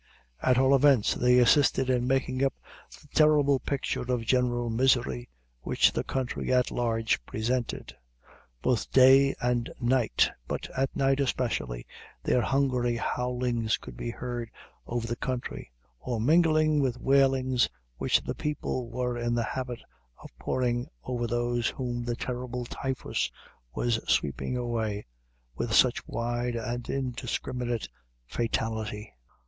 At all events, they assisted in making up the terrible picture of general misery which the country at large presented. Both day and night, but at night especially, their hungry howlings could be heard over the country, or mingling with wailings which the people were in the habit of pouring over those whom the terrible typhus was sweeping away with such wide and indiscriminate fatality.